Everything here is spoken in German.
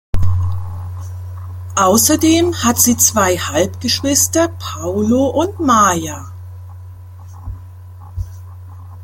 Außerdem hat sie zwei Halbgeschwister Paulo und Maya.